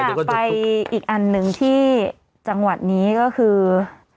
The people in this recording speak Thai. อยากไปอีกอันหนึ่งที่จังหวัดนี้ก็คือ